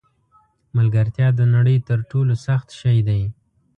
ملګرتیا د نړۍ تر ټولو سخت شی دی.